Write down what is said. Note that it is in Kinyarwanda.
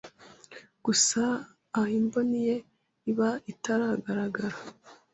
gusa aha imboni ye iba itaragaragara.